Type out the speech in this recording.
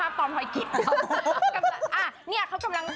เอาไปตัดประภาพตอนพอยกิจ